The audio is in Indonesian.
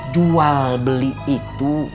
jual beli itu